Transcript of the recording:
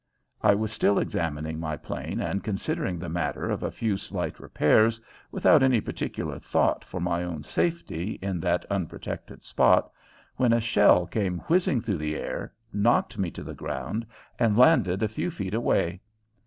I was still examining my plane and considering the matter of a few slight repairs, without any particular thought for my own safety in that unprotected spot, when a shell came whizzing through the air, knocked me to the ground, and landed a few feet away.